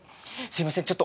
すみません